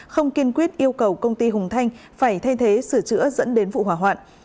không kiên quyết yêu cầu công ty hùng thanh phải thay thế sửa chữa dẫn đến vụ hỏa hoạn